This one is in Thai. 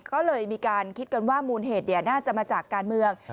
ก็เลยมีการคิดกันว่ามูลเหตุน่าจะมาจากการเมือง